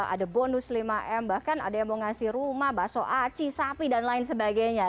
ada bonus lima m bahkan ada yang mau ngasih rumah bakso aci sapi dan lain sebagainya